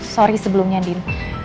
sorry sebelumnya din